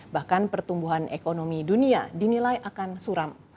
bahkan pertumbuhan ekonomi dunia dinilai akan suram